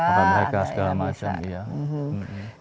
makan mereka segala macam